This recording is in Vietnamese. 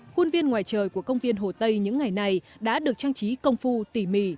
khuôn viên ngoài trời của công viên hồ tây những ngày này đã được trang trí công phu tỉ mỉ